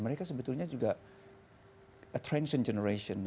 mereka sebetulnya juga a transient generation